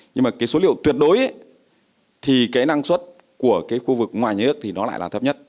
nhưng số liệu tuyệt đối năng suất của khu vực ngoài nhà nước lại là thấp nhất